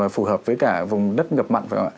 phù hợp với cả vùng đất ngập mặn